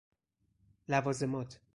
لوازمات